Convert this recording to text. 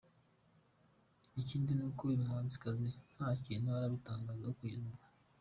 Ikindi ni uko uyu muhanzikazi nta kintu arabitangazaho kugeza ubu.